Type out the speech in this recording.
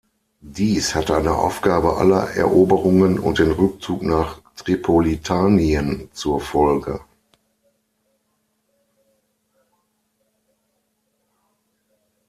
Dies hatte eine Aufgabe aller Eroberungen und den Rückzug nach Tripolitanien zur Folge.